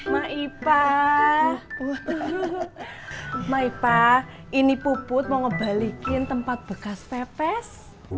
maipa maipa ini puput mau ngebalikin tempat bekas pepes